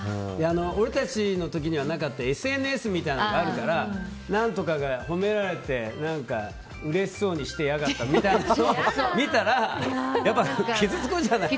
俺たちの時にはなかったＳＮＳみたいなのがあるから何とかが褒められてうれしそうにしてやがったみたいなのを見たらやっぱり傷つくんじゃない？